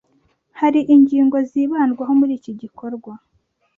hari ingingo zibandwaho muri iki gikorwa